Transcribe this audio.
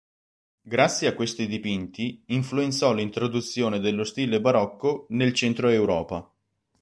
Grazie a questi dipinti influenzò l'introduzione dello stile barocco nel centro Europa.